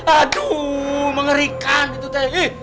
aduh mengerikan itu teh